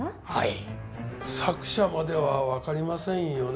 作者まではわかりませんよね？